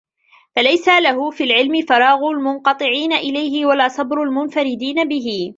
فَلَيْسَ لَهُ فِي الْعِلْمِ فَرَاغُ الْمُنْقَطِعِينَ إلَيْهِ وَلَا صَبْرُ الْمُنْفَرِدِينَ بِهِ